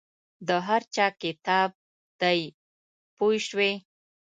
د هر چا کتاب دی پوه شوې!.